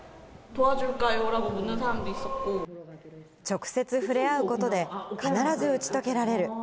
直接触れ合うことで、必ず打ち解けられる。